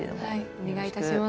お願いいたします。